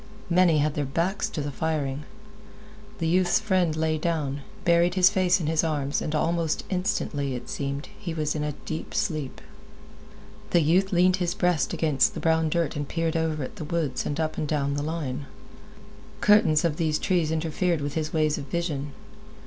Many had their backs to the firing. The youth's friend lay down, buried his face in his arms, and almost instantly, it seemed, he was in a deep sleep. The youth leaned his breast against the brown dirt and peered over at the woods and up and down the line. Curtains of trees interfered with his ways of vision.